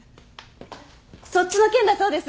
そっちの件だそうです